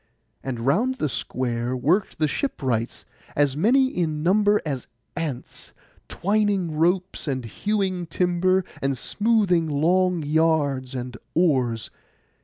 And round the square worked the ship wrights, as many in number as ants, twining ropes, and hewing timber, and smoothing long yards and oars.